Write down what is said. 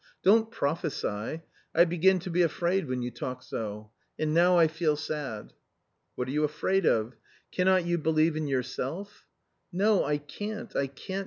" Don't prophesy ; I begin to be afraid when you talk so. And now I feel sad." "What are you afraid of? Cannot you believe in your self?" " No, I can't, I can't